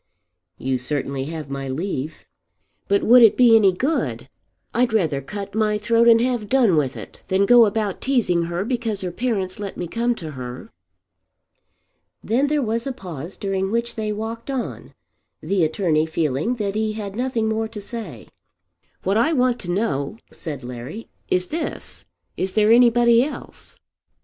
"You certainly have my leave." "But would it be any good? I'd rather cut my throat and have done with it than go about teasing her because her parents let me come to her." Then there was a pause during which they walked on, the attorney feeling that he had nothing more to say. "What I want to know," said Larry, "is this. Is there anybody else?"